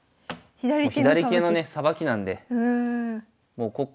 左桂のねさばきなんで。